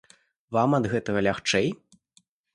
Вам ад гэтага лягчэй?